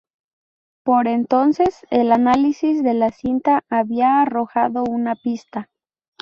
Por entonces, el análisis de la cinta había arrojado una pista.